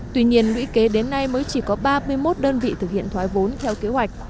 tuy nhiên lũy kế đến nay mới chỉ có ba mươi một đơn vị thực hiện thoái vốn theo kế hoạch